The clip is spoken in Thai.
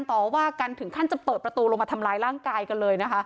ต่อว่ากันถึงขั้นจะเปิดประตูลงมาทำร้ายร่างกายกันเลยนะคะ